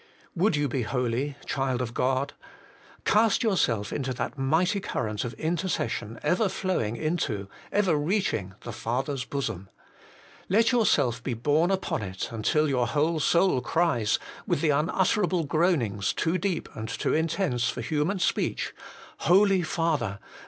Would you be holy, child of God ? cast yourself into that mighty current of intercession ever flowing into, ever reaching, the Father's bosom. Let yourself be borne upon it until your whole soul cries, with the unutterable groanings, too deep and too intense for human speech, ' Holy Father